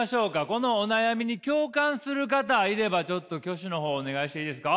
このお悩みに共感する方いればちょっと挙手の方お願いしていいですか？